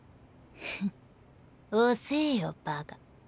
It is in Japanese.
フッ遅えよバカ。